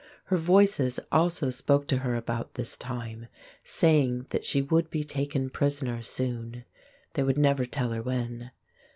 Her Voices also spoke to her about this time, saying that she would be taken prisoner soon. They would never tell her when.